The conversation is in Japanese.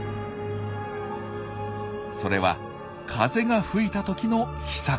それは風が吹いた時の秘策。